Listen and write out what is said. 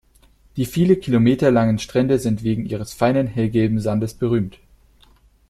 Die viele Kilometer langen Strände sind wegen ihres feinen, hellgelben Sandes berühmt.